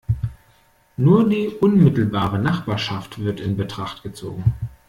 Nur die unmittelbare Nachbarschaft wird in Betracht gezogen.